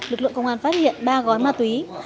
lực lượng công an phát hiện ba gói ma túy